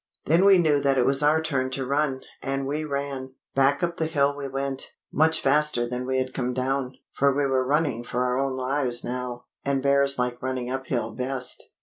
Then we knew that it was our turn to run; and we ran. Back up the hill we went, much faster than we had come down; for we were running for our own lives now, and bears like running uphill best.